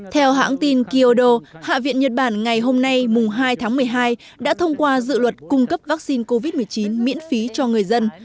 theo hãng tin kyodo hạ viện nhật bản ngày hôm nay mùng hai tháng một mươi hai đã thông qua dự luật cung cấp vaccine covid một mươi chín miễn phí cho người dân